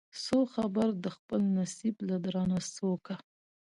سو خبر د خپل نصیب له درانه سوکه